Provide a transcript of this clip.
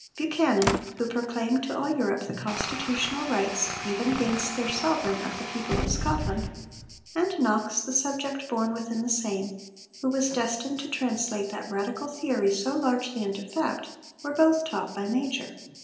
Buchanan, who proclaimed to all Europe the constitutional rights, even against their sovereign, of the people of Scotland, and Knox, the 'subject born within the same,' who was destined to translate that Radical theory so largely into fact, were both taught by Major.